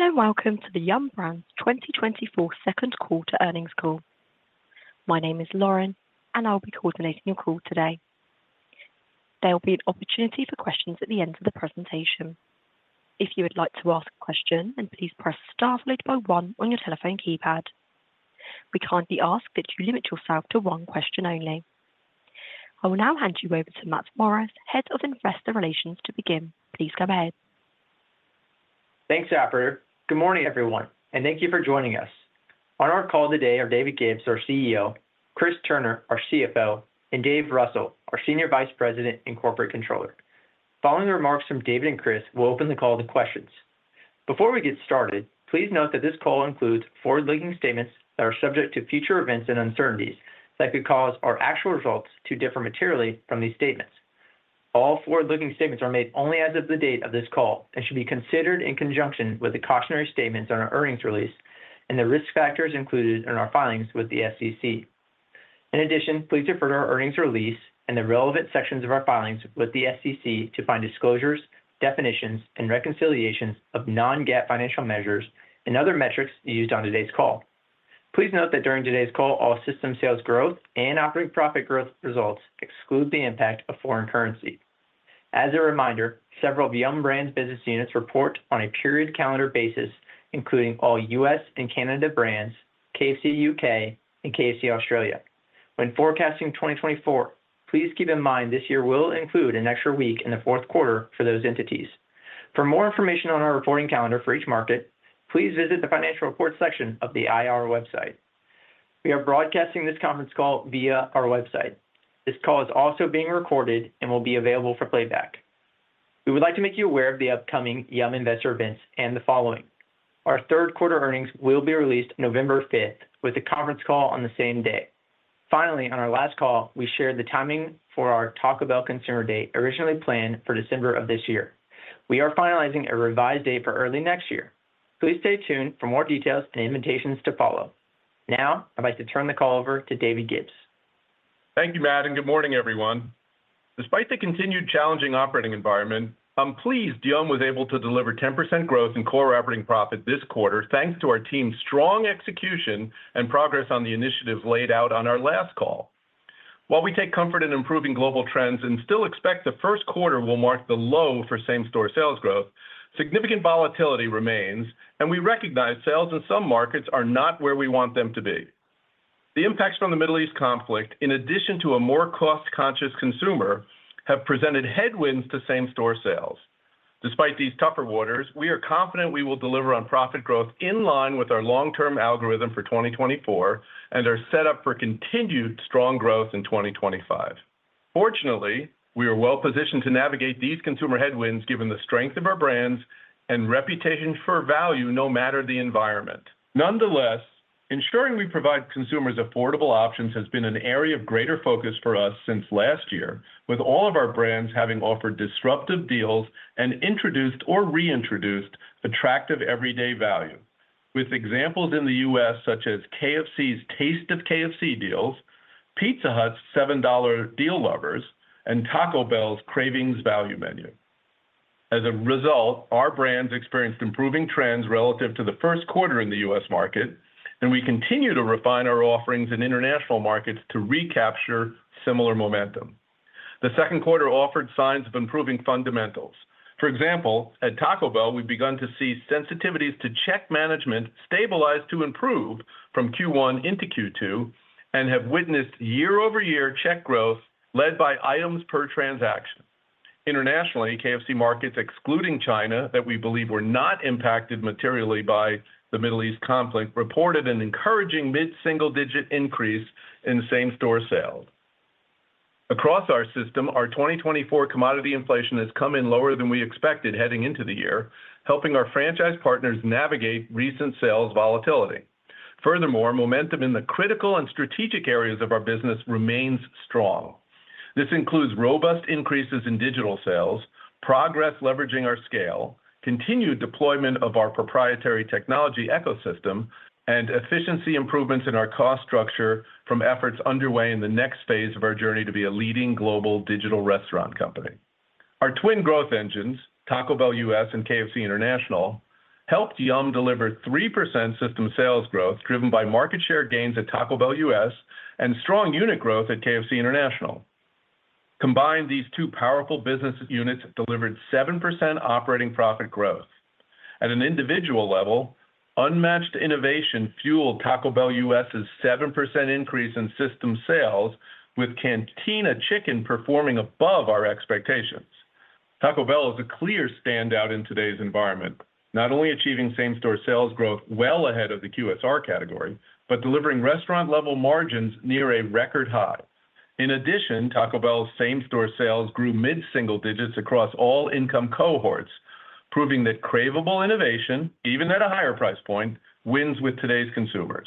Hello, welcome to the Yum! Brands 2024 second quarter earnings call. My name is Lauren, and I'll be coordinating your call today. There will be an opportunity for questions at the end of the presentation. If you would like to ask a question, then please press Star followed by one on your telephone keypad. We kindly ask that you limit yourself to one question only. I will now hand you over to Matt Morris, Head of Investor Relations, to begin. Please go ahead. Thanks, operator. Good morning, everyone, and thank you for joining us. On our call today are David Gibbs, our CEO, Chris Turner, our CFO, and Dave Russell, our Senior Vice President and Corporate Controller. Following the remarks from David and Chris, we'll open the call to questions. Before we get started, please note that this call includes forward-looking statements that are subject to future events and uncertainties that could cause our actual results to differ materially from these statements. All forward-looking statements are made only as of the date of this call and should be considered in conjunction with the cautionary statements on our earnings release and the risk factors included in our filings with the SEC. In addition, please refer to our earnings release and the relevant sections of our filings with the SEC to find disclosures, definitions, and reconciliations of non-GAAP financial measures and other metrics used on today's call. Please note that during today's call, all system sales growth and operating profit growth results exclude the impact of foreign currency. As a reminder, several of Yum! Brands' business units report on a period calendar basis, including all U.S. and Canada brands, KFC UK, and KFC Australia. When forecasting 2024, please keep in mind this year will include an extra week in the fourth quarter for those entities. For more information on our reporting calendar for each market, please visit the financial report section of the IR website. We are broadcasting this conference call via our website. This call is also being recorded and will be available for playback. We would like to make you aware of the upcoming Yum investor events and the following. Our third quarter earnings will be released November fifth, with a conference call on the same day. Finally, on our last call, we shared the timing for our Taco Bell consumer date, originally planned for December of this year. We are finalizing a revised date for early next year. Please stay tuned for more details and invitations to follow. Now, I'd like to turn the call over to David Gibbs. Thank you, Matt, and good morning, everyone. Despite the continued challenging operating environment, I'm pleased Yum was able to deliver 10% growth in core operating profit this quarter, thanks to our team's strong execution and progress on the initiatives laid out on our last call. While we take comfort in improving global trends and still expect the first quarter will mark the low for same-store sales growth, significant volatility remains, and we recognize sales in some markets are not where we want them to be. The impacts from the Middle East conflict, in addition to a more cost-conscious consumer, have presented headwinds to same-store sales. Despite these tougher orders, we are confident we will deliver on profit growth in line with our long-term algorithm for 2024 and are set up for continued strong growth in 2025. Fortunately, we are well positioned to navigate these consumer headwinds given the strength of our brands and reputation for value, no matter the environment. Nonetheless, ensuring we provide consumers affordable options has been an area of greater focus for us since last year, with all of our brands having offered disruptive deals and introduced or reintroduced attractive everyday value. With examples in the U.S., such as KFC's Taste of KFC Deals, Pizza Hut's $7 Deal Lover's, and Taco Bell's Cravings Value Menu. As a result, our brands experienced improving trends relative to the first quarter in the U.S. market, and we continue to refine our offerings in international markets to recapture similar momentum. The second quarter offered signs of improving fundamentals. For example, at Taco Bell, we've begun to see sensitivities to check management stabilize to improve from Q1 into Q2 and have witnessed year-over-year check growth led by items per transaction. Internationally, KFC markets, excluding China, that we believe were not impacted materially by the Middle East conflict, reported an encouraging mid-single-digit increase in same-store sales. Across our system, our 2024 commodity inflation has come in lower than we expected heading into the year, helping our franchise partners navigate recent sales volatility. Furthermore, momentum in the critical and strategic areas of our business remains strong. This includes robust increases in digital sales, progress leveraging our scale, continued deployment of our proprietary technology ecosystem, and efficiency improvements in our cost structure from efforts underway in the next phase of our journey to be a leading global digital restaurant company. Our twin growth engines, Taco Bell US and KFC International, helped Yum deliver 3% system sales growth, driven by market share gains at Taco Bell US and strong unit growth at KFC International. Combined, these two powerful business units delivered 7% operating profit growth. At an individual level, unmatched innovation fueled Taco Bell US's 7% increase in system sales, with Cantina Chicken performing above our expectations. Taco Bell is a clear standout in today's environment, not only achieving same-store sales growth well ahead of the QSR category, but delivering restaurant-level margins near a record high. In addition, Taco Bell's same-store sales grew mid-single digits across all income cohorts, proving that cravable innovation, even at a higher price point, wins with today's consumers.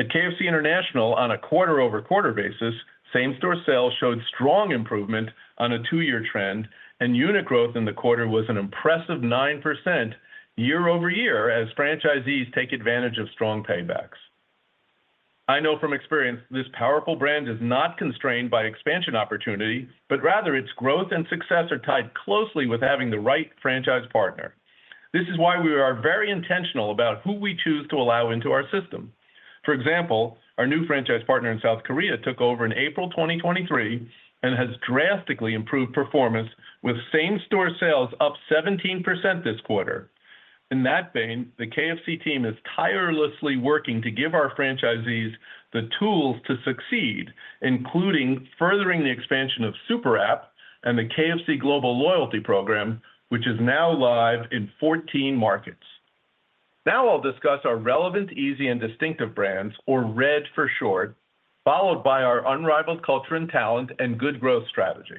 At KFC International, on a quarter-over-quarter basis, same-store sales showed strong improvement on a two-year trend, and unit growth in the quarter was an impressive 9% year-over-year as franchisees take advantage of strong paybacks.... I know from experience, this powerful brand is not constrained by expansion opportunity, but rather its growth and success are tied closely with having the right franchise partner. This is why we are very intentional about who we choose to allow into our system. For example, our new franchise partner in South Korea took over in April 2023, and has drastically improved performance, with same-store sales up 17% this quarter. In that vein, the KFC team is tirelessly working to give our franchisees the tools to succeed, including furthering the expansion of SuperApp and the KFC Global Loyalty Program, which is now live in 14 markets. Now I'll discuss our relevant, easy, and distinctive brands, or RED for short, followed by our unrivaled culture and talent and good growth strategy.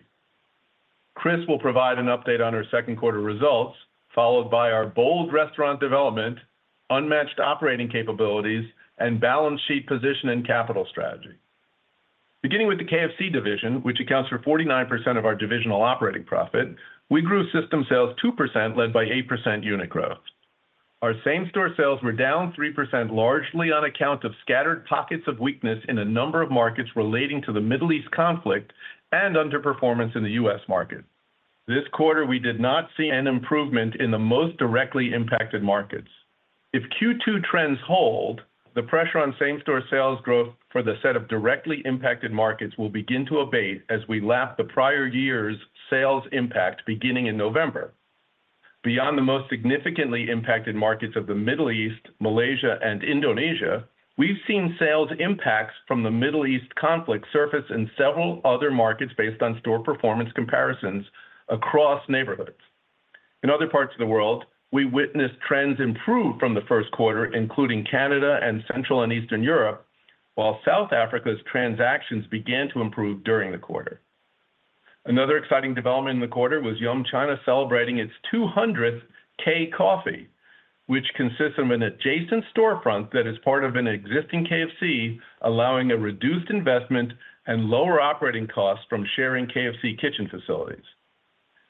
Chris will provide an update on our second quarter results, followed by our bold restaurant development, unmatched operating capabilities, and balance sheet position and capital strategy. Beginning with the KFC division, which accounts for 49% of our divisional operating profit, we grew system sales 2%, led by 8% unit growth. Our same-store sales were down 3%, largely on account of scattered pockets of weakness in a number of markets relating to the Middle East conflict and underperformance in the US market. This quarter, we did not see an improvement in the most directly impacted markets. If Q2 trends hold, the pressure on same-store sales growth for the set of directly impacted markets will begin to abate as we lap the prior year's sales impact beginning in November. Beyond the most significantly impacted markets of the Middle East, Malaysia, and Indonesia, we've seen sales impacts from the Middle East conflict surface in several other markets based on store performance comparisons across neighborhoods. In other parts of the world, we witnessed trends improve from the first quarter, including Canada and Central and Eastern Europe, while South Africa's transactions began to improve during the quarter. Another exciting development in the quarter was Yum China celebrating its 200th K-Coffee, which consists of an adjacent storefront that is part of an existing KFC, allowing a reduced investment and lower operating costs from sharing KFC kitchen facilities.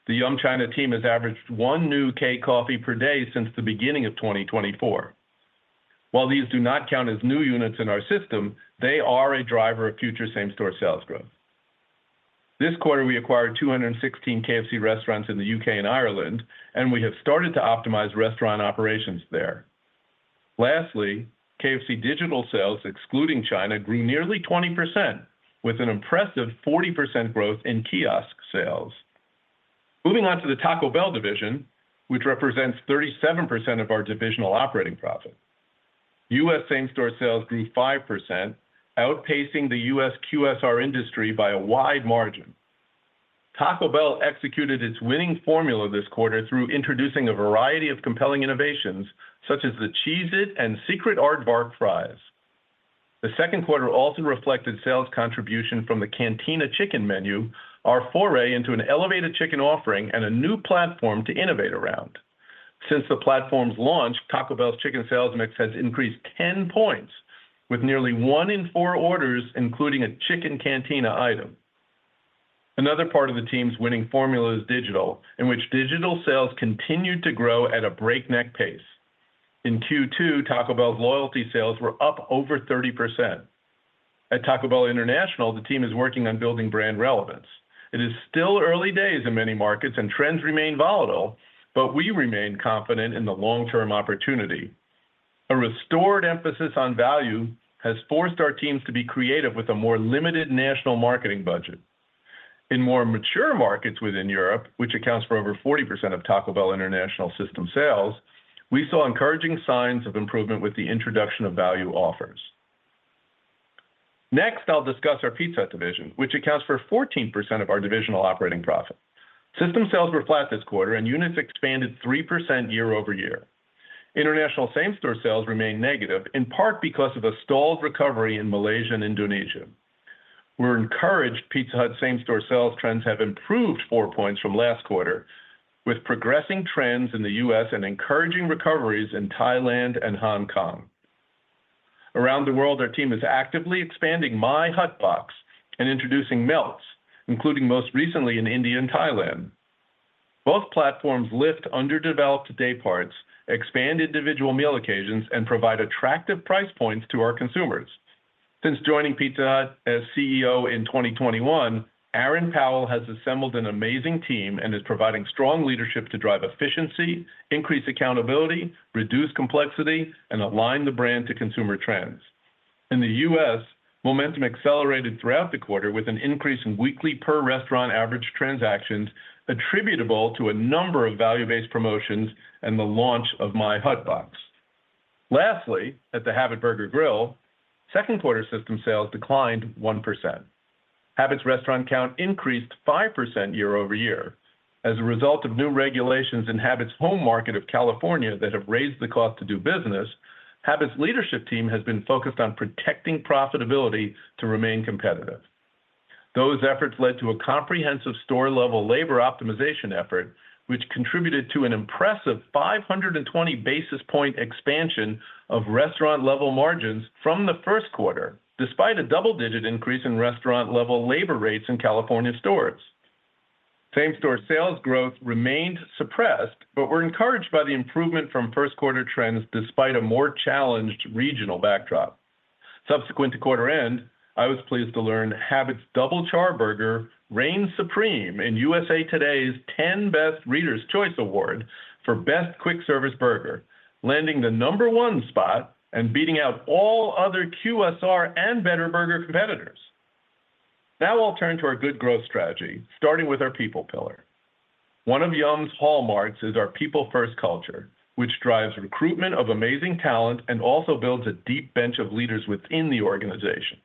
The Yum China team has averaged one new K-Coffee per day since the beginning of 2024. While these do not count as new units in our system, they are a driver of future same-store sales growth. This quarter, we acquired 216 KFC restaurants in the U.K. and Ireland, and we have started to optimize restaurant operations there. Lastly, KFC digital sales, excluding China, grew nearly 20%, with an impressive 40% growth in kiosk sales. Moving on to the Taco Bell division, which represents 37% of our divisional operating profit. U.S. same-store sales grew 5%, outpacing the U.S. QSR industry by a wide margin. Taco Bell executed its winning formula this quarter through introducing a variety of compelling innovations, such as the Cheez-It and Secret Aardvark Fries. The second quarter also reflected sales contribution from the Cantina Chicken menu, our foray into an elevated chicken offering and a new platform to innovate around. Since the platform's launch, Taco Bell's chicken sales mix has increased 10 points, with nearly one in four orders, including a Chicken Cantina item. Another part of the team's winning formula is digital, in which digital sales continued to grow at a breakneck pace. In Q2, Taco Bell loyalty sales were up over 30%. At Taco Bell International, the team is working on building brand relevance. It is still early days in many markets, and trends remain volatile, but we remain confident in the long-term opportunity. A restored emphasis on value has forced our teams to be creative with a more limited national marketing budget. In more mature markets within Europe, which accounts for over 40% of Taco Bell International system sales, we saw encouraging signs of improvement with the introduction of value offers. Next, I'll discuss our Pizza division, which accounts for 14% of our divisional operating profit. System sales were flat this quarter, and units expanded 3% year-over-year. International same-store sales remained negative, in part because of a stalled recovery in Malaysia and Indonesia. We're encouraged Pizza Hut same-store sales trends have improved 4 points from last quarter, with progressing trends in the U.S. and encouraging recoveries in Thailand and Hong Kong. Around the world, our team is actively expanding My Hut Box and introducing Melts, including most recently in India and Thailand. Both platforms lift underdeveloped day parts, expand individual meal occasions, and provide attractive price points to our consumers. Since joining Pizza Hut as CEO in 2021, Aaron Powell has assembled an amazing team and is providing strong leadership to drive efficiency, increase accountability, reduce complexity, and align the brand to consumer trends. In the U.S., momentum accelerated throughout the quarter with an increase in weekly per restaurant average transactions attributable to a number of value-based promotions and the launch of My Hut Box. Lastly, at The Habit Burger Grill, second quarter system sales declined 1%. The Habit Burger Grill's restaurant count increased 5% year-over-year. As a result of new regulations in The Habit Burger Grill's home market of California that have raised the cost to do business, The Habit Burger Grill's leadership team has been focused on protecting profitability to remain competitive. Those efforts led to a comprehensive store-level labor optimization effort, which contributed to an impressive 520 basis point expansion of restaurant-level margins from the first quarter, despite a double-digit increase in restaurant-level labor rates in California stores. Same-store sales growth remained suppressed, but we're encouraged by the improvement from first quarter trends, despite a more challenged regional backdrop. Subsequent to quarter end, I was pleased to learn Habit's Double Charburger reigned supreme in USA Today's 10Best Readers' Choice Award for Best Quick Service Burger, landing the number one spot and beating out all other QSR and better burger competitors. Now I'll turn to our good growth strategy, starting with our people pillar. One of Yum!'s hallmarks is our people-first culture, which drives recruitment of amazing talent and also builds a deep bench of leaders within the organization.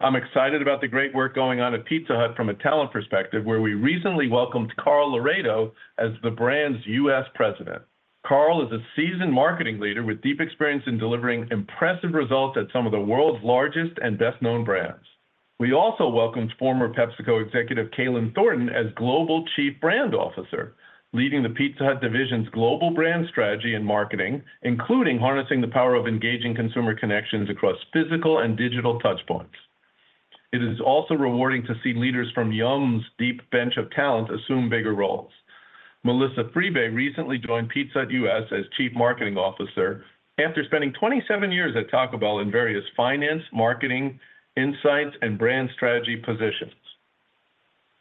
I'm excited about the great work going on at Pizza Hut from a talent perspective, where we recently welcomed Carl Loredo as the brand's US President. Carl is a seasoned marketing leader with deep experience in delivering impressive results at some of the world's largest and best-known brands. We also welcomed former PepsiCo executive Kalen Thornton as Global Chief Brand Officer, leading the Pizza Hut division's global brand strategy and marketing, including harnessing the power of engaging consumer connections across physical and digital touchpoints. It is also rewarding to see leaders from Yum!'s deep bench of talent assume bigger roles. Melissa Friebe recently joined Pizza Hut US as Chief Marketing Officer after spending 27 years at Taco Bell in various finance, marketing, insights, and brand strategy positions.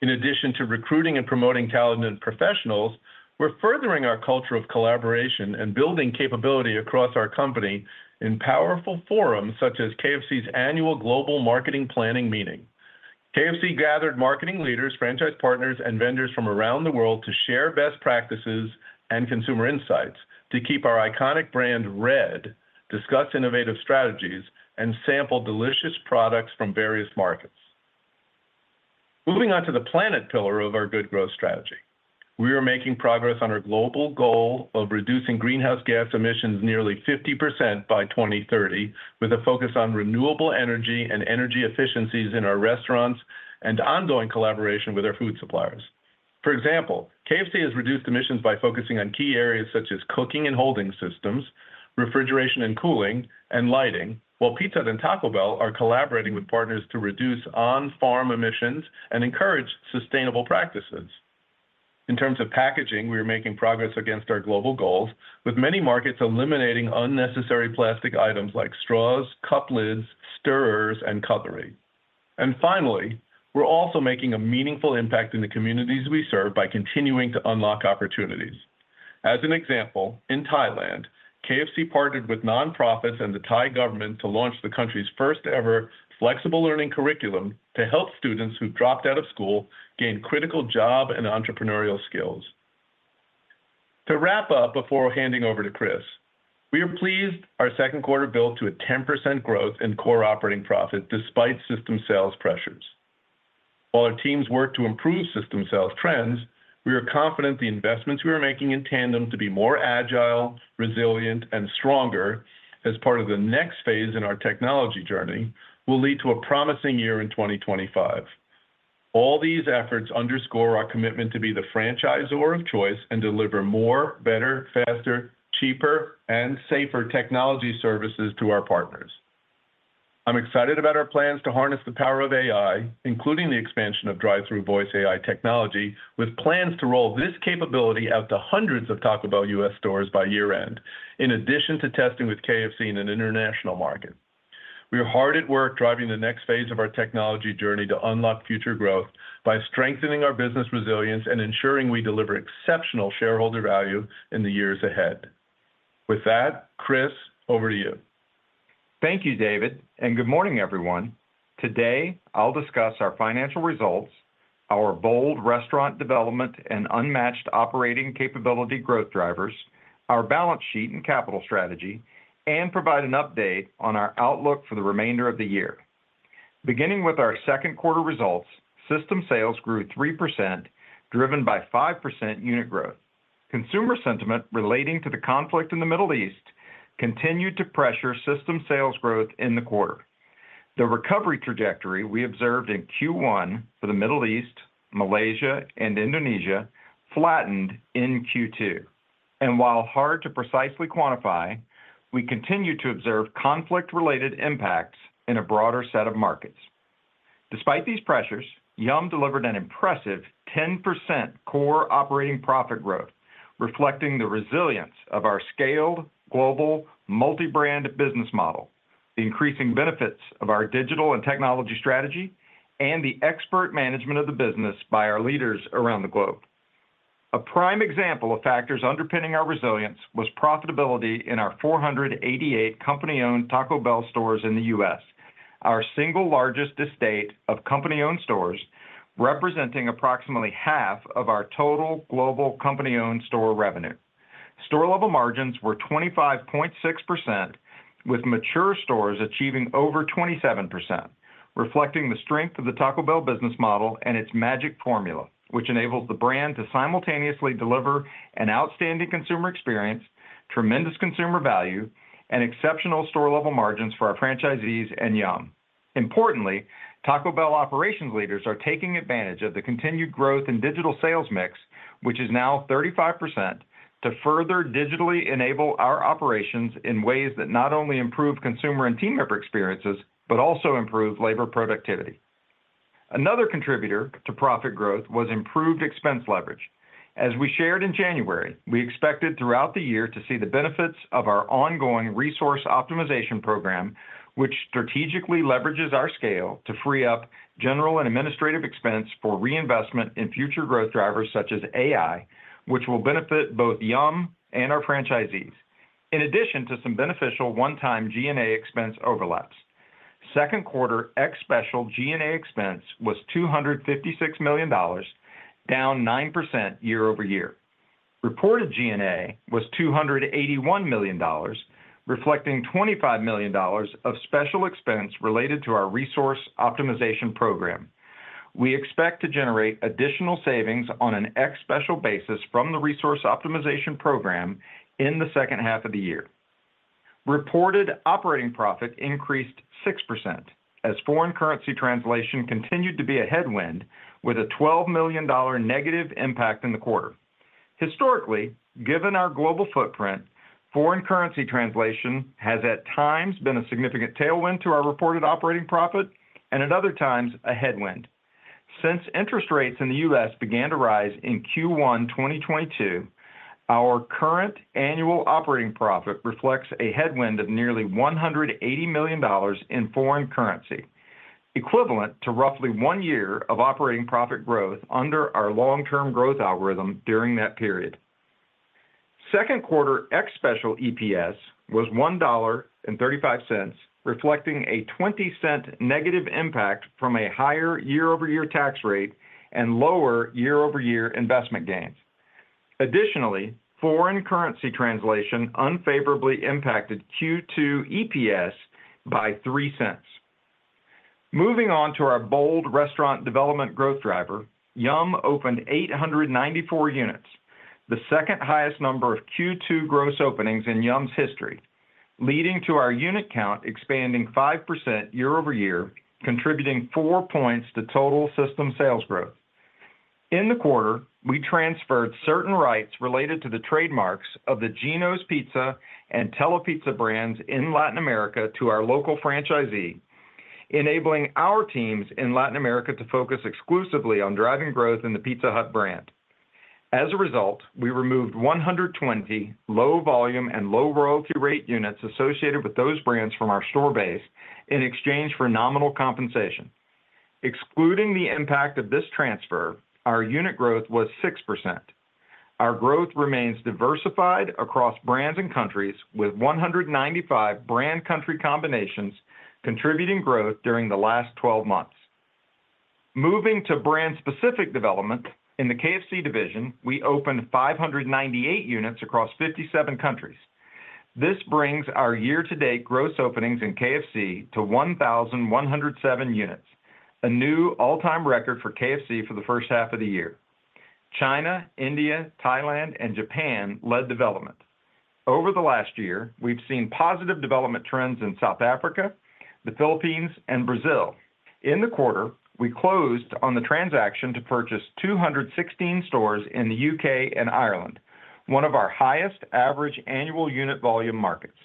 In addition to recruiting and promoting talented professionals, we're furthering our culture of collaboration and building capability across our company in powerful forums, such as KFC's annual Global Marketing Planning Meeting. KFC gathered marketing leaders, franchise partners, and vendors from around the world to share best practices and consumer insights to keep our iconic brand RED, discuss innovative strategies, and sample delicious products from various markets. Moving on to the planet pillar of our good growth strategy. We are making progress on our global goal of reducing greenhouse gas emissions nearly 50% by 2030, with a focus on renewable energy and energy efficiencies in our restaurants, and ongoing collaboration with our food suppliers. For example, KFC has reduced emissions by focusing on key areas such as cooking and holding systems, refrigeration and cooling, and lighting, while Pizza Hut and Taco Bell are collaborating with partners to reduce on-farm emissions and encourage sustainable practices. In terms of packaging, we are making progress against our global goals, with many markets eliminating unnecessary plastic items like straws, cup lids, stirrers, and cutlery. Finally, we're also making a meaningful impact in the communities we serve by continuing to unlock opportunities. As an example, in Thailand, KFC partnered with nonprofits and the Thai government to launch the country's first-ever flexible learning curriculum to help students who dropped out of school gain critical job and entrepreneurial skills. To wrap up before handing over to Chris, we are pleased our second quarter built to a 10% growth in core operating profit despite system sales pressures. While our teams work to improve system sales trends, we are confident the investments we are making in tandem to be more agile, resilient, and stronger as part of the next phase in our technology journey will lead to a promising year in 2025. All these efforts underscore our commitment to be the franchisor of choice and deliver more, better, faster, cheaper, and safer technology services to our partners. I'm excited about our plans to harness the power of AI, including the expansion of drive-thru voice AI technology, with plans to roll this capability out to hundreds of Taco Bell US stores by year-end, in addition to testing with KFC in an international market. We are hard at work driving the next phase of our technology journey to unlock future growth by strengthening our business resilience and ensuring we deliver exceptional shareholder value in the years ahead. With that, Chris, over to you. Thank you, David, and good morning, everyone. Today, I'll discuss our financial results, our bold restaurant development and unmatched operating capability growth drivers, our balance sheet and capital strategy, and provide an update on our outlook for the remainder of the year. Beginning with our second quarter results, system sales grew 3%, driven by 5% unit growth. Consumer sentiment relating to the conflict in the Middle East continued to pressure system sales growth in the quarter. The recovery trajectory we observed in Q1 for the Middle East, Malaysia, and Indonesia flattened in Q2. While hard to precisely quantify, we continued to observe conflict-related impacts in a broader set of markets. Despite these pressures, Yum! delivered an impressive 10% core operating profit growth, reflecting the resilience of our scaled, global, multi-brand business model, the increasing benefits of our digital and technology strategy, and the expert management of the business by our leaders around the globe. A prime example of factors underpinning our resilience was profitability in our 488 company-owned Taco Bell stores in the U.S., our single largest estate of company-owned stores, representing approximately half of our total global company-owned store revenue. Store level margins were 25.6%, with mature stores achieving over 27%, reflecting the strength of the Taco Bell business model and its magic formula, which enables the brand to simultaneously deliver an outstanding consumer experience, tremendous consumer value, and exceptional store-level margins for our franchisees and Yum! Importantly, Taco Bell operations leaders are taking advantage of the continued growth in digital sales mix-... which is now 35%, to further digitally enable our operations in ways that not only improve consumer and team member experiences, but also improve labor productivity. Another contributor to profit growth was improved expense leverage. As we shared in January, we expected throughout the year to see the benefits of our ongoing resource optimization program, which strategically leverages our scale to free up general and administrative expense for reinvestment in future growth drivers such as AI, which will benefit both Yum! and our franchisees, in addition to some beneficial one-time G&A expense overlaps. Second quarter ex-special G&A expense was $256 million, down 9% year-over-year. Reported G&A was $281 million, reflecting $25 million of special expense related to our resource optimization program. We expect to generate additional savings on an ex-special basis from the resource optimization program in the second half of the year. Reported operating profit increased 6%, as foreign currency translation continued to be a headwind with a $12 million negative impact in the quarter. Historically, given our global footprint, foreign currency translation has at times been a significant tailwind to our reported operating profit and at other times, a headwind. Since interest rates in the U.S. began to rise in Q1 2022, our current annual operating profit reflects a headwind of nearly $180 million in foreign currency, equivalent to roughly one year of operating profit growth under our long-term growth algorithm during that period. Second quarter ex-special EPS was $1.35, reflecting a 20-cent negative impact from a higher year-over-year tax rate and lower year-over-year investment gains. Additionally, foreign currency translation unfavorably impacted Q2 EPS by $0.03. Moving on to our bold restaurant development growth driver, Yum! opened 894 units, the second highest number of Q2 gross openings in Yum!'s history, leading to our unit count expanding 5% year-over-year, contributing four points to total system sales growth. In the quarter, we transferred certain rights related to the trademarks of the Jeno's Pizza and Telepizza brands in Latin America to our local franchisee, enabling our teams in Latin America to focus exclusively on driving growth in the Pizza Hut brand. As a result, we removed 120 low volume and low royalty rate units associated with those brands from our store base in exchange for nominal compensation. Excluding the impact of this transfer, our unit growth was 6%. Our growth remains diversified across brands and countries, with 195 brand country combinations contributing growth during the last 12 months. Moving to brand-specific development, in the KFC division, we opened 598 units across 57 countries. This brings our year-to-date gross openings in KFC to 1,107 units, a new all-time record for KFC for the first half of the year. China, India, Thailand, and Japan led development. Over the last year, we've seen positive development trends in South Africa, the Philippines, and Brazil. In the quarter, we closed on the transaction to purchase 216 stores in the UK and Ireland, one of our highest average annual unit volume markets.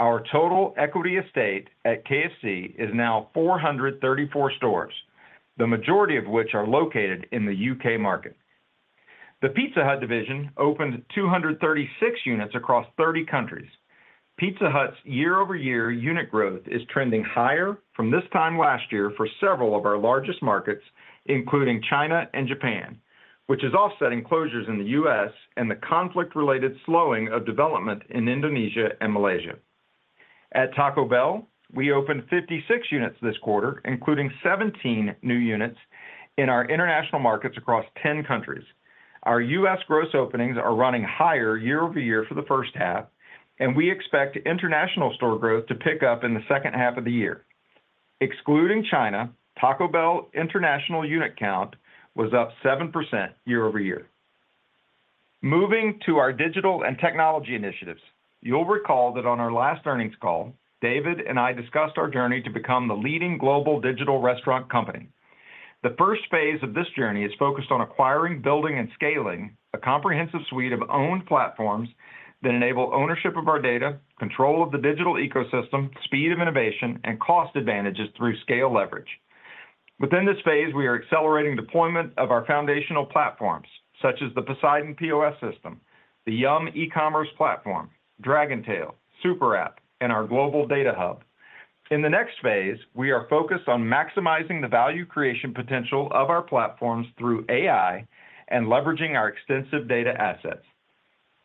Our total equity estate at KFC is now 434 stores, the majority of which are located in the UK market. The Pizza Hut division opened 236 units across 30 countries. Pizza Hut's year-over-year unit growth is trending higher from this time last year for several of our largest markets, including China and Japan, which is offsetting closures in the U.S. and the conflict-related slowing of development in Indonesia and Malaysia. At Taco Bell, we opened 56 units this quarter, including 17 new units in our international markets across 10 countries. Our U.S. gross openings are running higher year over year for the first half, and we expect international store growth to pick up in the second half of the year. Excluding China, Taco Bell international unit count was up 7% year over year. Moving to our digital and technology initiatives, you'll recall that on our last earnings call, David and I discussed our journey to become the leading global digital restaurant company. The first phase of this journey is focused on acquiring, building, and scaling a comprehensive suite of owned platforms that enable ownership of our data, control of the digital ecosystem, speed of innovation, and cost advantages through scale leverage. Within this phase, we are accelerating deployment of our foundational platforms, such as the Poseidon POS system, the Yum! e-commerce platform, Dragontail, SuperApp, and our global data hub. In the next phase, we are focused on maximizing the value creation potential of our platforms through AI and leveraging our extensive data assets.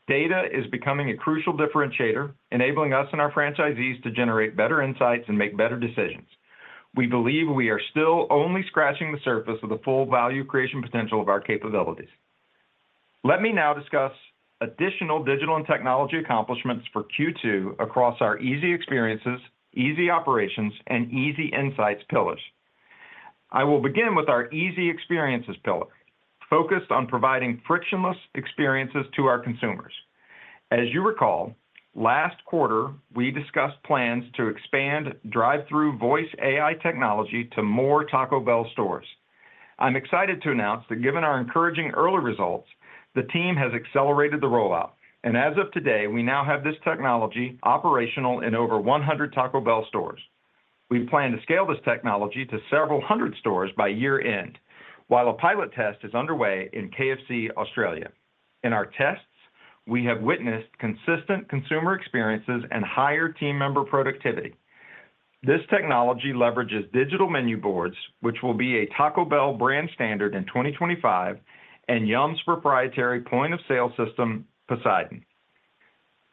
Data is becoming a crucial differentiator, enabling us and our franchisees to generate better insights and make better decisions. We believe we are still only scratching the surface of the full value creation potential of our capabilities. Let me now discuss additional digital and technology accomplishments for Q2 across our easy experiences, easy operations, and easy insights pillars. I will begin with our easy experiences pillar, focused on providing frictionless experiences to our consumers. As you recall, last quarter, we discussed plans to expand drive-thru voice AI technology to more Taco Bell stores. I'm excited to announce that given our encouraging early results, the team has accelerated the rollout, and as of today, we now have this technology operational in over 100 Taco Bell stores. We plan to scale this technology to several hundred stores by year-end, while a pilot test is underway in KFC Australia. In our tests, we have witnessed consistent consumer experiences and higher team member productivity. This technology leverages digital menu boards, which will be a Taco Bell brand standard in 2025 and Yum's proprietary point-of-sale system, Poseidon.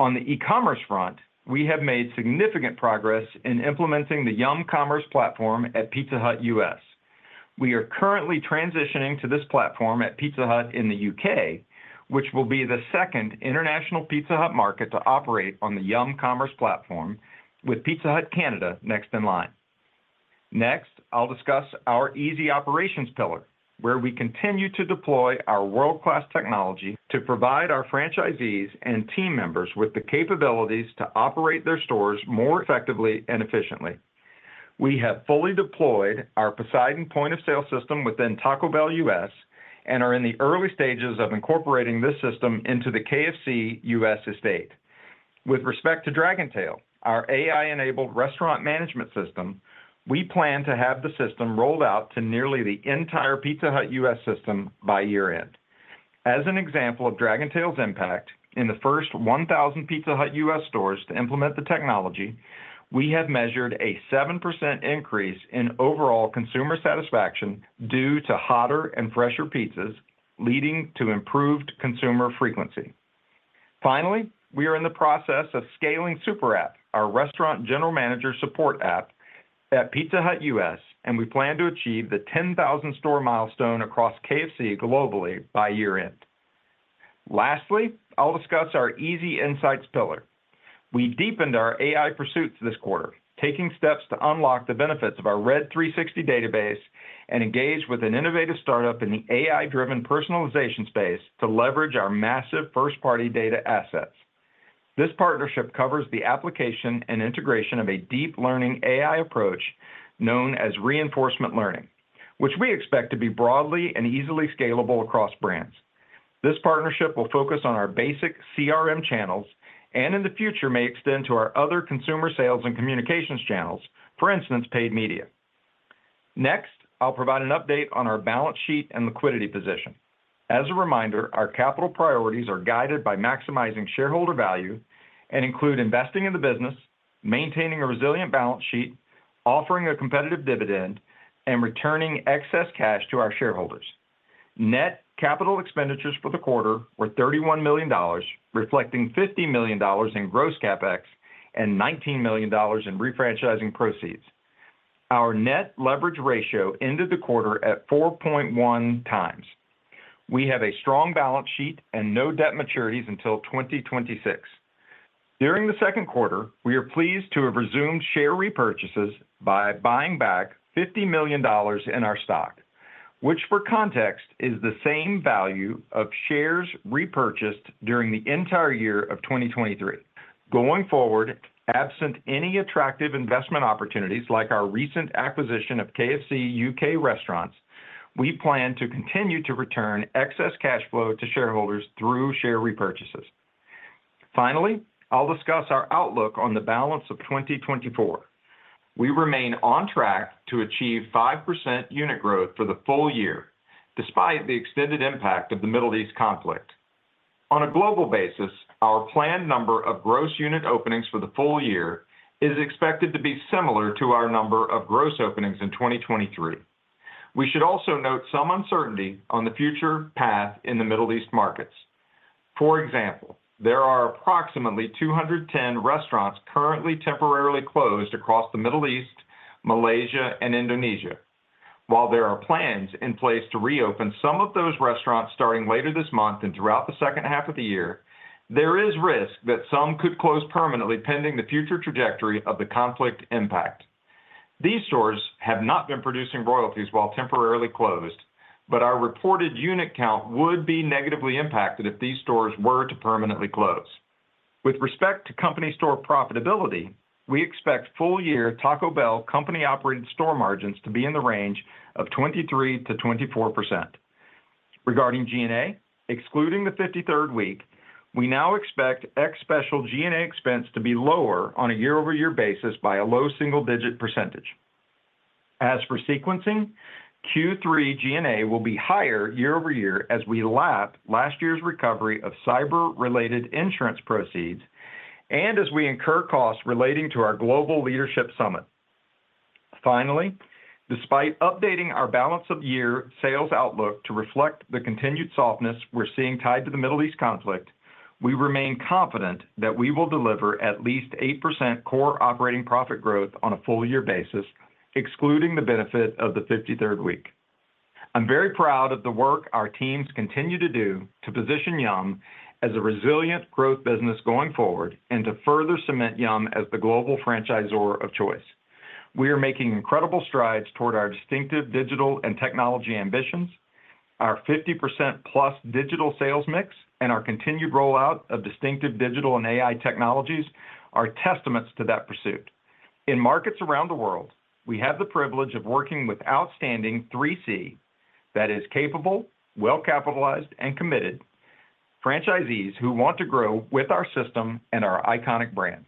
On the e-commerce front, we have made significant progress in implementing the Yum Commerce Platform at Pizza Hut US. We are currently transitioning to this platform at Pizza Hut in the U.K., which will be the second international Pizza Hut market to operate on the Yum Commerce Platform, with Pizza Hut Canada next in line. Next, I'll discuss our easy operations pillar, where we continue to deploy our world-class technology to provide our franchisees and team members with the capabilities to operate their stores more effectively and efficiently. We have fully deployed our Poseidon point-of-sale system within Taco Bell U.S., and are in the early stages of incorporating this system into the KFC U.S. estate. With respect to Dragontail, our AI-enabled restaurant management system, we plan to have the system rolled out to nearly the entire Pizza Hut U.S. system by year-end. As an example of Dragontail's impact, in the first 1,000 Pizza Hut US stores to implement the technology, we have measured a 7% increase in overall consumer satisfaction due to hotter and fresher pizzas, leading to improved consumer frequency. Finally, we are in the process of scaling SuperApp, our restaurant general manager support app at Pizza Hut US, and we plan to achieve the 10,000 store milestone across KFC globally by year-end. Lastly, I'll discuss our easy insights pillar. We deepened our AI pursuits this quarter, taking steps to unlock the benefits of our RED 360 database and engage with an innovative startup in the AI-driven personalization space to leverage our massive first-party data assets. This partnership covers the application and integration of a deep learning AI approach known as reinforcement learning, which we expect to be broadly and easily scalable across brands. This partnership will focus on our basic CRM channels and in the future, may extend to our other consumer sales and communications channels, for instance, paid media. Next, I'll provide an update on our balance sheet and liquidity position. As a reminder, our capital priorities are guided by maximizing shareholder value and include investing in the business, maintaining a resilient balance sheet, offering a competitive dividend, and returning excess cash to our shareholders. Net capital expenditures for the quarter were $31 million, reflecting $50 million in gross CapEx and $19 million in refranchising proceeds. Our net leverage ratio ended the quarter at 4.1 times. We have a strong balance sheet and no debt maturities until 2026. During the second quarter, we are pleased to have resumed share repurchases by buying back $50 million in our stock, which, for context, is the same value of shares repurchased during the entire year of 2023. Going forward, absent any attractive investment opportunities like our recent acquisition of KFC UK restaurants, we plan to continue to return excess cash flow to shareholders through share repurchases. Finally, I'll discuss our outlook on the balance of 2024. We remain on track to achieve 5% unit growth for the full year, despite the extended impact of the Middle East conflict. On a global basis, our planned number of gross unit openings for the full year is expected to be similar to our number of gross openings in 2023. We should also note some uncertainty on the future path in the Middle East markets. For example, there are approximately 210 restaurants currently temporarily closed across the Middle East, Malaysia, and Indonesia. While there are plans in place to reopen some of those restaurants starting later this month and throughout the second half of the year, there is risk that some could close permanently, pending the future trajectory of the conflict impact. These stores have not been producing royalties while temporarily closed, but our reported unit count would be negatively impacted if these stores were to permanently close. With respect to company store profitability, we expect full year Taco Bell company-operated store margins to be in the range of 23%-24%. Regarding G&A, excluding the 53rd week, we now expect ex special G&A expense to be lower on a year-over-year basis by a low single-digit percentage. As for sequencing, Q3 G&A will be higher year-over-year as we lap last year's recovery of cyber-related insurance proceeds and as we incur costs relating to our global leadership summit. Finally, despite updating our balance-of-year sales outlook to reflect the continued softness we're seeing tied to the Middle East conflict, we remain confident that we will deliver at least 8% core operating profit growth on a full year basis, excluding the benefit of the 53rd week. I'm very proud of the work our teams continue to do to position Yum as a resilient growth business going forward and to further cement Yum as the global franchisor of choice. We are making incredible strides toward our distinctive digital and technology ambitions.... Our 50%+ digital sales mix and our continued rollout of distinctive digital and AI technologies are testaments to that pursuit. In markets around the world, we have the privilege of working with outstanding 3C, that is capable, well-capitalized, and committed franchisees who want to grow with our system and our iconic brands.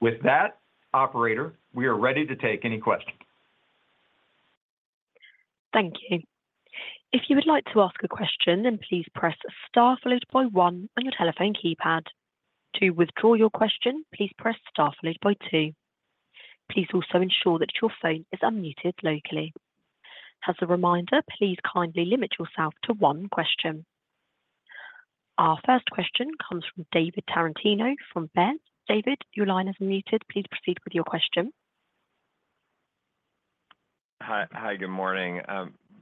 With that, operator, we are ready to take any questions. Thank you. If you would like to ask a question, then please press star followed by one on your telephone keypad. To withdraw your question, please press star followed by two. Please also ensure that your phone is unmuted locally. As a reminder, please kindly limit yourself to one question. Our first question comes from David Tarantino from Baird. David, your line is unmuted. Please proceed with your question. Hi. Hi, good morning.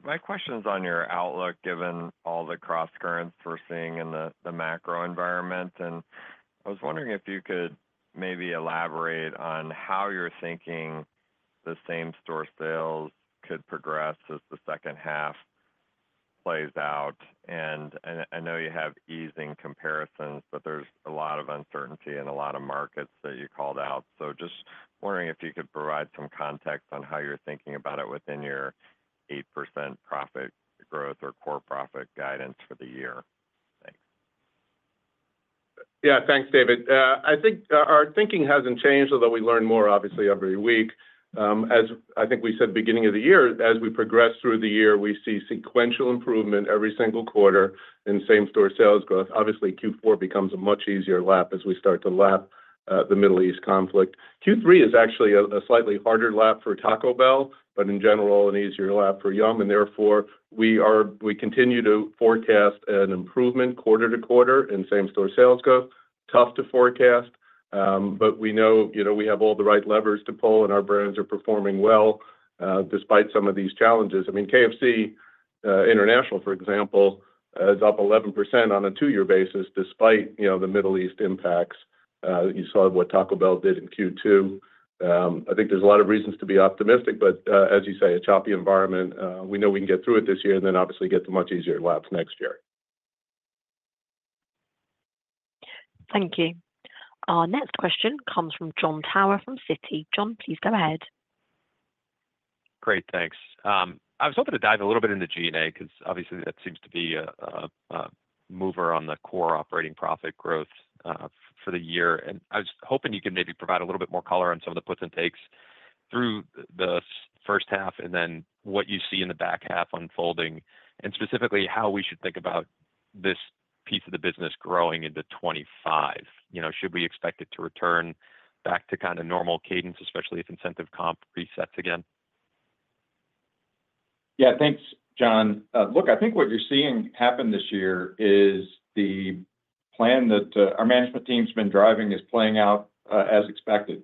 My question is on your outlook, given all the crosscurrents we're seeing in the macro environment, and I was wondering if you could maybe elaborate on how you're thinking the same-store sales could progress as the second half plays out. And I know you have easing comparisons, but there's a lot of uncertainty in a lot of markets that you called out. So just wondering if you could provide some context on how you're thinking about it within your 8% profit growth or core profit guidance for the year. Thanks. Yeah, thanks, David. I think our thinking hasn't changed, although we learn more, obviously, every week. As I think we said, beginning of the year, as we progress through the year, we see sequential improvement every single quarter in same-store sales growth. Obviously, Q4 becomes a much easier lap as we start to lap the Middle East conflict. Q3 is actually a slightly harder lap for Taco Bell, but in general, an easier lap for Yum, and therefore, we continue to forecast an improvement quarter to quarter in same-store sales growth. Tough to forecast, but we know, you know, we have all the right levers to pull, and our brands are performing well, despite some of these challenges. I mean, KFC International, for example, is up 11% on a two-year basis, despite, you know, the Middle East impacts. You saw what Taco Bell did in Q2. I think there's a lot of reasons to be optimistic, but as you say, a choppy environment. We know we can get through it this year and then obviously get to much easier laps next year. Thank you. Our next question comes from John Tower, from Citi. John, please go ahead. Great. Thanks. I was hoping to dive a little bit into G&A, because obviously, that seems to be a mover on the Core Operating Profit growth for the year. And I was hoping you could maybe provide a little bit more color on some of the puts and takes through the first half, and then what you see in the back half unfolding, and specifically, how we should think about this piece of the business growing into 25. You know, should we expect it to return back to kind of normal cadence, especially if incentive comp resets again? Yeah, thanks, John. Look, I think what you're seeing happen this year is the plan that, our management team's been driving is playing out, as expected.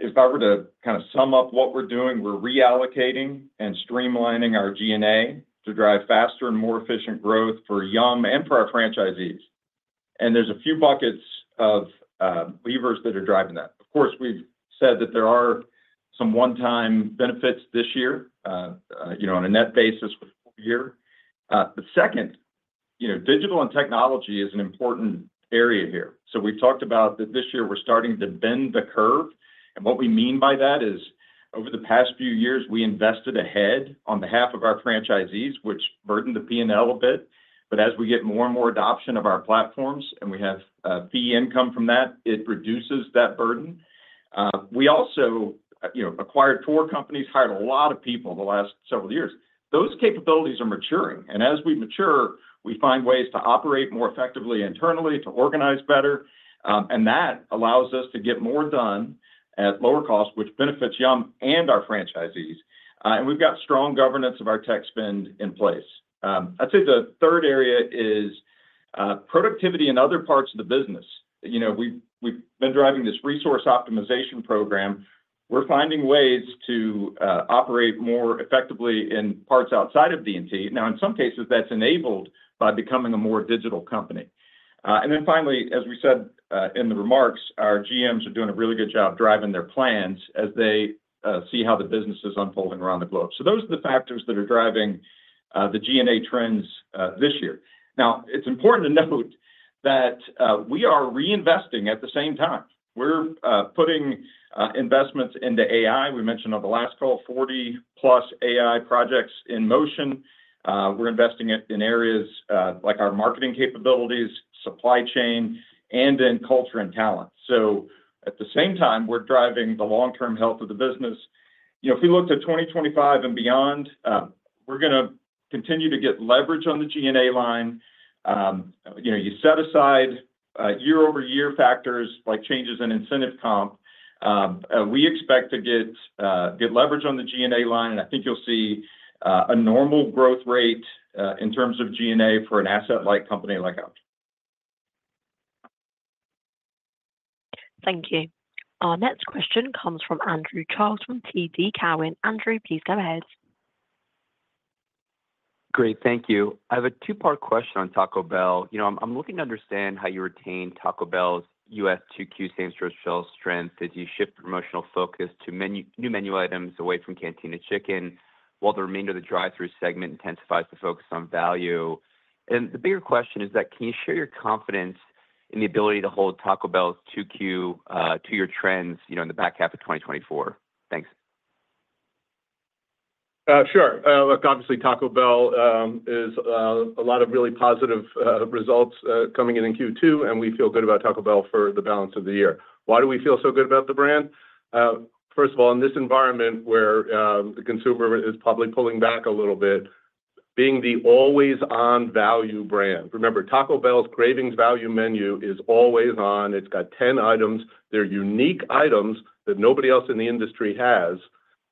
If I were to kind of sum up what we're doing, we're reallocating and streamlining our G&A to drive faster and more efficient growth for Yum and for our franchisees. And there's a few buckets of, levers that are driving that. Of course, we've said that there are some one-time benefits this year, you know, on a net basis for the full year. The second, you know, digital and technology is an important area here. So we talked about that this year, we're starting to bend the curve, and what we mean by that is, over the past few years, we invested ahead on behalf of our franchisees, which burdened the P&L a bit. But as we get more and more adoption of our platforms and we have fee income from that, it reduces that burden. We also, you know, acquired 4 companies, hired a lot of people in the last several years. Those capabilities are maturing, and as we mature, we find ways to operate more effectively internally, to organize better, and that allows us to get more done at lower cost, which benefits Yum and our franchisees. And we've got strong governance of our tech spend in place. I'd say the third area is productivity in other parts of the business. You know, we've been driving this resource optimization program. We're finding ways to operate more effectively in parts outside of D&T. Now, in some cases, that's enabled by becoming a more digital company. And then finally, as we said, in the remarks, our GMs are doing a really good job driving their plans as they see how the business is unfolding around the globe. So those are the factors that are driving the G&A trends this year. Now, it's important to note that we are reinvesting at the same time. We're putting investments into AI. We mentioned on the last call, 40+ AI projects in motion. We're investing in areas like our marketing capabilities, supply chain, and in culture and talent. So at the same time, we're driving the long-term health of the business. You know, if we looked at 2025 and beyond, we're gonna continue to get leverage on the G&A line. You know, you set aside year-over-year factors like changes in incentive comp. We expect to get good leverage on the G&A line, and I think you'll see a normal growth rate in terms of G&A for an asset-light company like us. Thank you. Our next question comes from Andrew Charles, from TD Cowen. Andrew, please go ahead. Great, thank you. I have a two-part question on Taco Bell. You know, I'm looking to understand how you retain Taco Bell's U.S. 2Q same-store sales strength as you shift the promotional focus to new menu items away from Cantina Chicken, while the remainder of the drive-thru segment intensifies the focus on value. And the bigger question is that, can you share your confidence-... and the ability to hold Taco Bell's 2Q, 2-year trends, you know, in the back half of 2024. Thanks. Look, obviously, Taco Bell is a lot of really positive results coming in in Q2, and we feel good about Taco Bell for the balance of the year. Why do we feel so good about the brand? First of all, in this environment where, the consumer is probably pulling back a little bit, being the always-on value brand. Remember, Taco Bell's Cravings Value Menu is always on. It's got 10 items. They're unique items that nobody else in the industry has.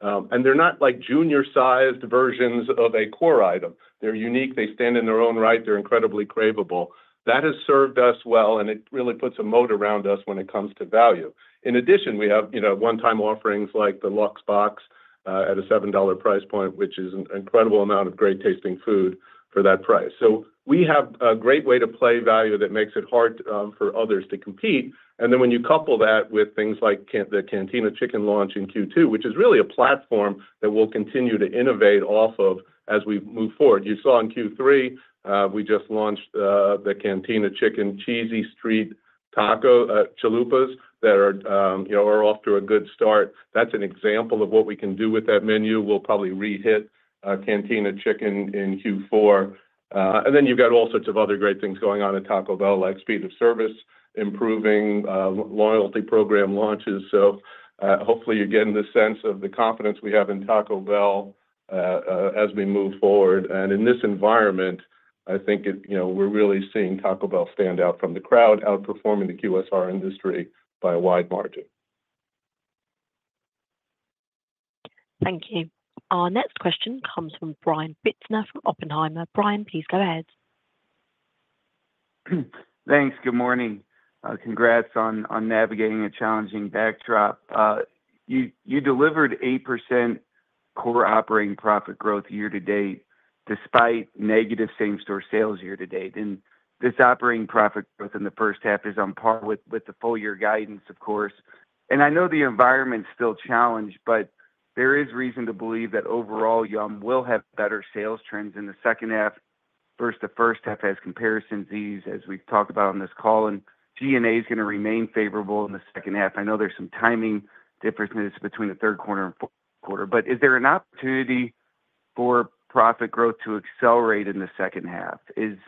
And they're not like junior-sized versions of a core item. They're unique. They stand in their own right. They're incredibly cravable. That has served us well, and it really puts a moat around us when it comes to value. In addition, we have, you know, one-time offerings like the Luxe Box at a $7 price point, which is an incredible amount of great-tasting food for that price. So we have a great way to play value that makes it hard for others to compete, and then when you couple that with things like the Cantina Chicken launch in Q2, which is really a platform that we'll continue to innovate off of as we move forward. You saw in Q3 we just launched the Cantina Chicken Cheesy Street Chalupas that are, you know, are off to a good start. That's an example of what we can do with that menu. We'll probably re-hit Cantina Chicken in Q4. And then you've got all sorts of other great things going on at Taco Bell, like speed of service improving, loyalty program launches. So, hopefully, you're getting the sense of the confidence we have in Taco Bell, as we move forward. And in this environment, I think it you know, we're really seeing Taco Bell stand out from the crowd, outperforming the QSR industry by a wide margin. Thank you. Our next question comes from Brian Bittner from Oppenheimer. Brian, please go ahead. Thanks. Good morning. Congrats on navigating a challenging backdrop. You delivered 8% core operating profit growth year to date, despite negative same-store sales year to date. This operating profit growth in the first half is on par with the full year guidance, of course. I know the environment's still challenged, but there is reason to believe that overall, Yum! will have better sales trends in the second half. First, the first half has comparison ease, as we've talked about on this call, and G&A is gonna remain favorable in the second half. I know there's some timing differences between the third quarter and fourth quarter, but is there an opportunity for profit growth to accelerate in the second half? Is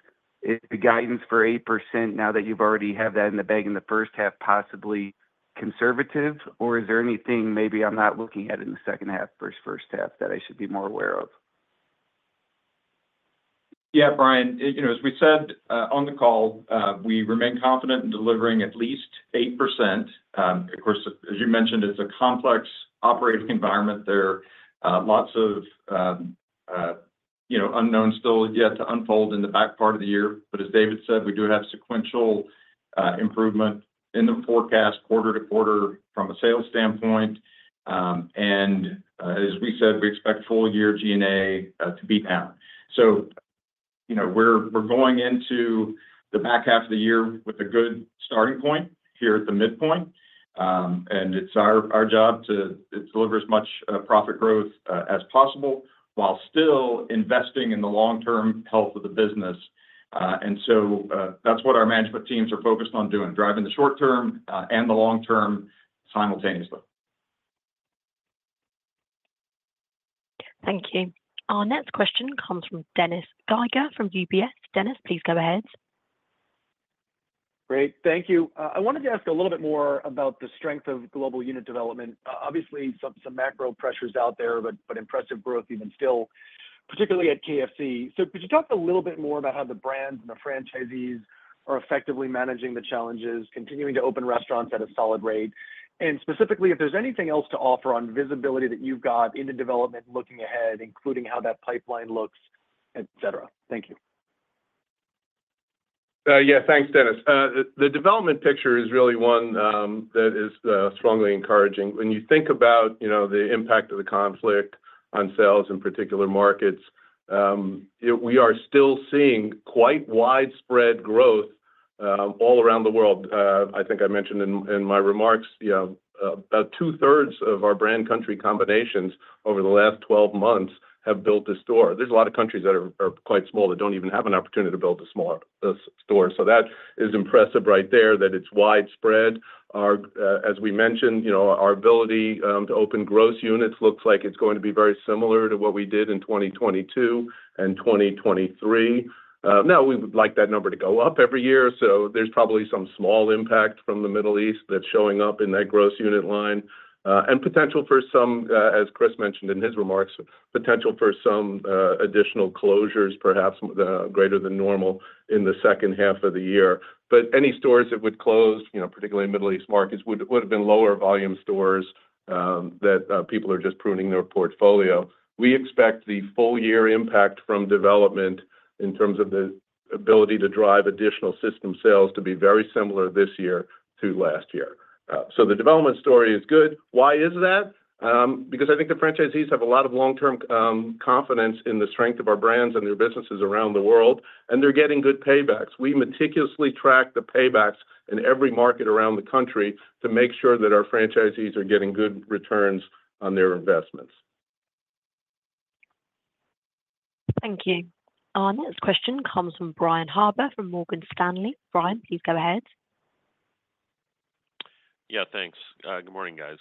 the guidance for 8%, now that you've already have that in the bag in the first half, possibly conservative, or is there anything maybe I'm not looking at in the second half versus first half that I should be more aware of? Yeah, Brian, you know, as we said, on the call, we remain confident in delivering at least 8%. Of course, as you mentioned, it's a complex operating environment. There are, lots of, you know, unknowns still yet to unfold in the back part of the year. But as David said, we do have sequential, improvement in the forecast quarter to quarter from a sales standpoint. And, as we said, we expect full year G&A, to be down. So, you know, we're going into the back half of the year with a good starting point here at the midpoint. And it's our job to deliver as much, profit growth, as possible, while still investing in the long-term health of the business. and so, that's what our management teams are focused on doing, driving the short term, and the long term simultaneously. Thank you. Our next question comes from Dennis Geiger from UBS. Dennis, please go ahead. Great. Thank you. I wanted to ask a little bit more about the strength of global unit development. Obviously, some macro pressures out there, but impressive growth even still, particularly at KFC. So could you talk a little bit more about how the brands and the franchisees are effectively managing the challenges, continuing to open restaurants at a solid rate? And specifically, if there's anything else to offer on visibility that you've got into development looking ahead, including how that pipeline looks, et cetera. Thank you. Yeah. Thanks, Dennis. The development picture is really one that is strongly encouraging. When you think about, you know, the impact of the conflict on sales in particular markets, we are still seeing quite widespread growth all around the world. I think I mentioned in my remarks, you know, about two-thirds of our brand country combinations over the last 12 months have built a store. There's a lot of countries that are quite small, that don't even have an opportunity to build a small store. So that is impressive right there, that it's widespread. Our, as we mentioned, you know, our ability to open gross units looks like it's going to be very similar to what we did in 2022 and 2023. Now, we would like that number to go up every year, so there's probably some small impact from the Middle East that's showing up in that gross unit line. And potential for some, as Chris mentioned in his remarks, potential for some additional closures, perhaps greater than normal in the second half of the year. But any stores that would close, you know, particularly in Middle East markets, would have been lower volume stores that people are just pruning their portfolio. We expect the full year impact from development in terms of the ability to drive additional system sales to be very similar this year to last year. So the development story is good. Why is that? Because I think the franchisees have a lot of long-term confidence in the strength of our brands and their businesses around the world, and they're getting good paybacks. We meticulously track the paybacks in every market around the country to make sure that our franchisees are getting good returns on their investments. Thank you. Our next question comes from Brian Harbour from Morgan Stanley. Brian, please go ahead. Yeah, thanks. Good morning, guys.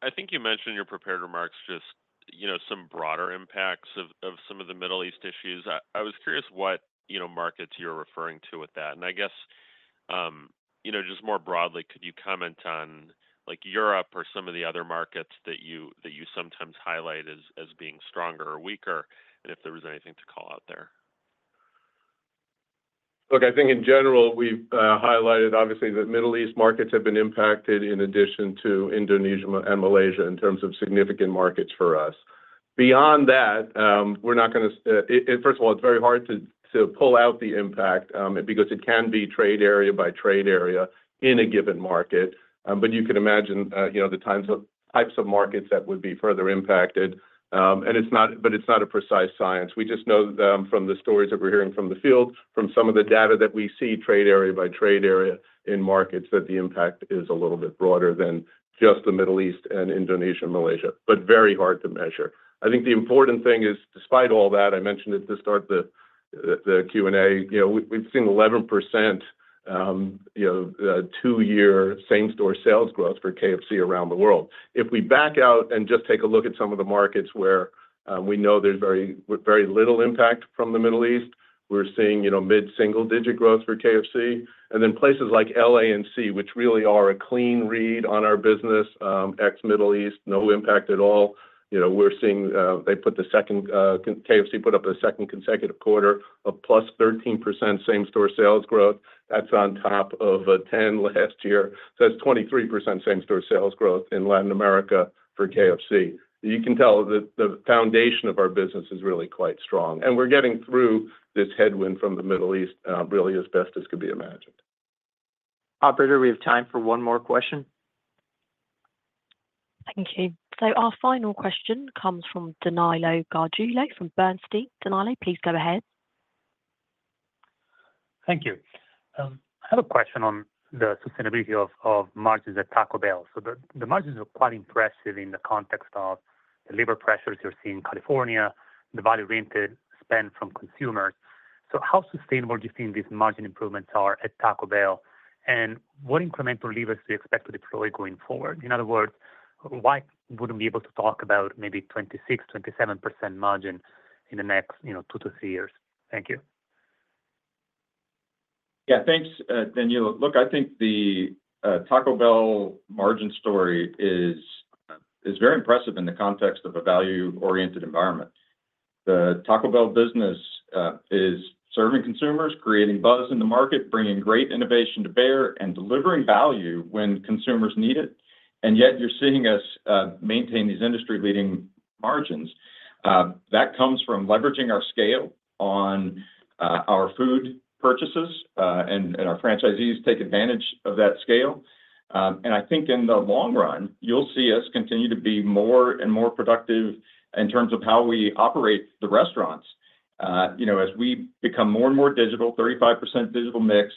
I think you mentioned in your prepared remarks just, you know, some broader impacts of some of the Middle East issues. I was curious what, you know, markets you're referring to with that. And I guess, you know, just more broadly, could you comment on, like, Europe or some of the other markets that you sometimes highlight as being stronger or weaker, and if there was anything to call out there? Look, I think in general, we've highlighted obviously, that Middle East markets have been impacted in addition to Indonesia and Malaysia, in terms of significant markets for us. Beyond that, we're not gonna. And first of all, it's very hard to pull out the impact, because it can be trade area by trade area in a given market. But you can imagine, you know, the types of markets that would be further impacted. And it's not, but it's not a precise science. We just know, from the stories that we're hearing from the field, from some of the data that we see, trade area by trade area in markets, that the impact is a little bit broader than just the Middle East and Indonesia and Malaysia, but very hard to measure. I think the important thing is, despite all that, I mentioned it to start the, the, the Q&A, you know, we, we've seen 11%, you know, two-year same-store sales growth for KFC around the world. If we back out and just take a look at some of the markets where we know there's very with very little impact from the Middle East, we're seeing, you know, mid-single-digit growth for KFC. And then places like L.A. and C, which really are a clean read on our business, ex Middle East, no impact at all. You know, we're seeing, they put the second, KFC put up a second consecutive quarter of +13% same-store sales growth. That's on top of, ten last year, so that's 23% same-store sales growth in Latin America for KFC. You can tell that the foundation of our business is really quite strong, and we're getting through this headwind from the Middle East, really as best as could be imagined. Operator, we have time for one more question. Thank you. So our final question comes from Danilo Gargiulo from Bernstein. Danilo, please go ahead. Thank you. I have a question on the sustainability of margins at Taco Bell. So the margins are quite impressive in the context of the labor pressures you're seeing in California, the value-oriented spend from consumers. So how sustainable do you think these margin improvements are at Taco Bell, and what incremental levers do you expect to deploy going forward? In other words, why wouldn't we be able to talk about maybe 26%-27% margin in the next, you know, two to three years? Thank you. Yeah, thanks, Danilo. Look, I think the Taco Bell margin story is very impressive in the context of a value-oriented environment. The Taco Bell business is serving consumers, creating buzz in the market, bringing great innovation to bear, and delivering value when consumers need it. And yet you're seeing us maintain these industry-leading margins. That comes from leveraging our scale on our food purchases, and our franchisees take advantage of that scale. And I think in the long run, you'll see us continue to be more and more productive in terms of how we operate the restaurants. You know, as we become more and more digital, 35% digital mix,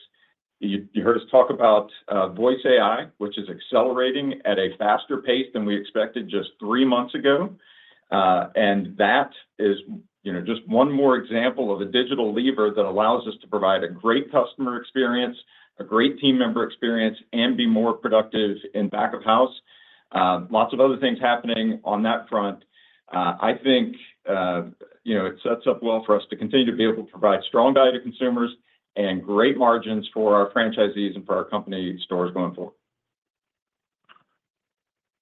you heard us talk about voice AI, which is accelerating at a faster pace than we expected just three months ago. And that is, you know, just one more example of a digital lever that allows us to provide a great customer experience, a great team member experience, and be more productive in back-of-house. Lots of other things happening on that front. I think, you know, it sets up well for us to continue to be able to provide strong value to consumers and great margins for our franchisees and for our company stores going forward.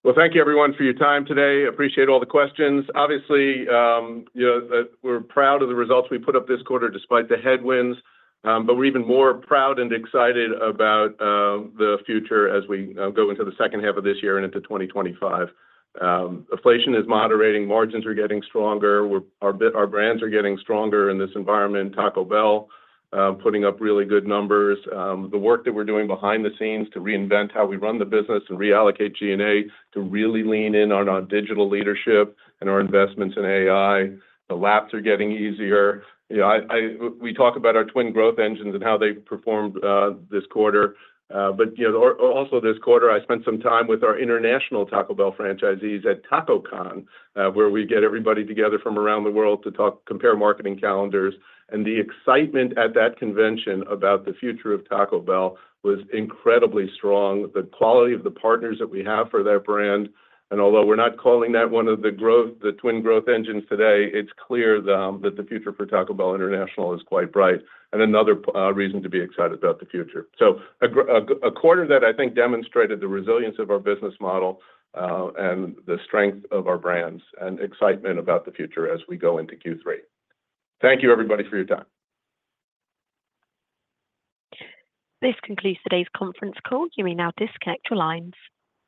Well, thank you everyone for your time today. Appreciate all the questions. Obviously, you know, we're proud of the results we put up this quarter, despite the headwinds. But we're even more proud and excited about the future as we go into the second half of this year and into 2025. Inflation is moderating, margins are getting stronger, we're our brands are getting stronger in this environment. Taco Bell putting up really good numbers. The work that we're doing behind the scenes to reinvent how we run the business and reallocate G&A to really lean in on our digital leadership and our investments in AI. The laps are getting easier. You know, we talk about our twin growth engines and how they performed this quarter. But, you know, or also this quarter, I spent some time with our international Taco Bell franchisees at Taco Con, where we get everybody together from around the world to talk, compare marketing calendars. And the excitement at that convention about the future of Taco Bell was incredibly strong. The quality of the partners that we have for that brand, and although we're not calling that one of the growth, the twin growth engines today, it's clear, that the future for Taco Bell International is quite bright and another, reason to be excited about the future. So a quarter that I think demonstrated the resilience of our business model, and the strength of our brands, and excitement about the future as we go into Q3. Thank you, everybody, for your time. This concludes today's conference call. You may now disconnect your lines.